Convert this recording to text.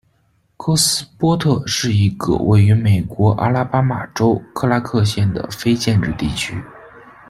戈斯波特是一个位于美国阿拉巴马州克拉克县的非建制地区。